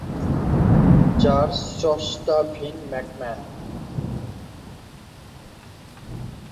যার স্রষ্টা ভিন্স ম্যাকম্যান।